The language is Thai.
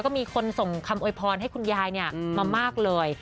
ก็มีคนส่งคำโวยพรให้คุณยายมามากเลย